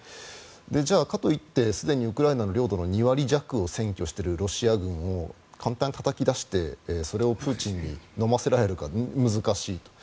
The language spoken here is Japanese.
じゃあ、かといって、すでにウクライナの領土の２割弱を占拠しているロシア軍を簡単にたたき出してそれをプーチンにのませられるかというと難しいと。